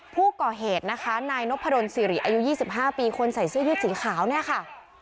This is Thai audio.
ผู้ก่อเหตุนะคะนายนพดลสิริอายุ๒๕ปีคนใส่เสื้อยืดสีขาวเนี่ยค่ะ